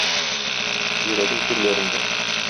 Йөрәгем түрләрендә.